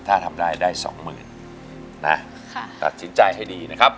ถ้าทำได้ได้๒๐๐๐๐นะค่ะตัดสินใจให้ดีนะครับ